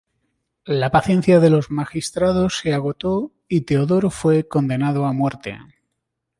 La paciencia de los magistrados se agotó, y Teodoro fue condenado a muerte.